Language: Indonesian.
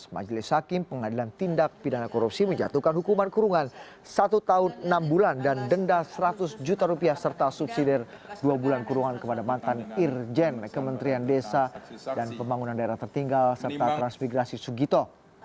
majelis hakim pengadilan tindak pidana korupsi menjatuhkan hukuman kurungan satu tahun enam bulan dan denda seratus juta rupiah serta subsidi dua bulan kurungan kepada mantan irjen kementerian desa dan pembangunan daerah tertinggal serta transmigrasi sugito